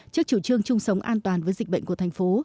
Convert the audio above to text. trước chủ trương chung sống an toàn với dịch bệnh của thành phố